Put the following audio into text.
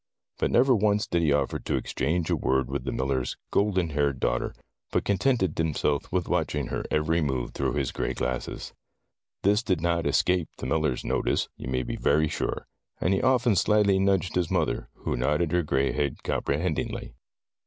But never once did he offer to exchange a word with the miller's golden haired daughter, but con tented himself with watching her every move through his gray glasses. This did not escape the miller's notice, you may be very sure, and he often slyly nudged his mother, who nodded her gray head com prehendingly.